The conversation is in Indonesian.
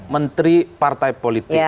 menteri partai politik